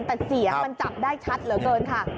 แต่เสียงมันจับได้ชัดเหลือเกินค่ะ